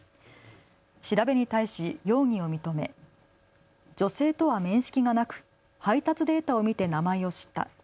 調べに対し容疑を認め女性とは面識がなく配達データを見て名前を知った。